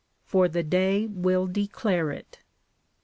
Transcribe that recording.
For the day will declare it.